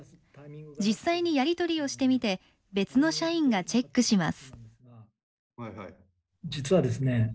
実際にやり取りをしてみて別の社員がチェックします。